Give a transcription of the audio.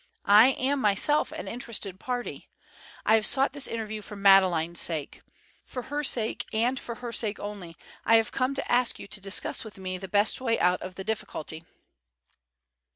I am myself an interested party. I have sought this interview for Madeleine's sake. For her sake, and for her sake only, I have come to ask you to discuss with me the best way out of the difficulty."